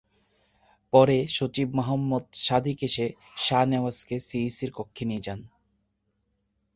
পরে সচিব মোহাম্মদ সাদিক এসে শাহ নেওয়াজকে সিইসির কক্ষে নিয়ে যান।